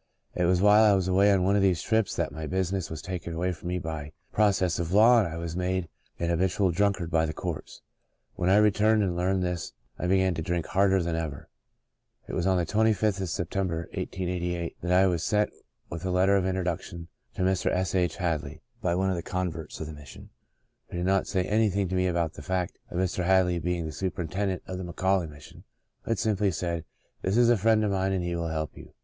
" It was while I was away on one of these trips that my business was taken away from me by process of law and I was made an ha bitual drunkard by the courts. When I re turned and learned this I began to drink harder than ever. It was on the 25th of September, 1888, that I was sent with a letter of introduction to Mr. S. H. Hadley, by one of the converts of the Mission, who did not God's Good Man 37 say anything to me about the fact of Mr. Hadley being the superintendent of the McAuley Mission, but simply said, * This is a friend of mine and he will help you.'